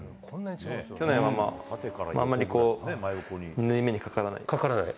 去年は、あんまりこう、縫い目にかからない。